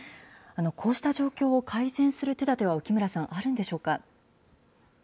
こうした状況を改善する手だては浮村さん、あるんでしょうか。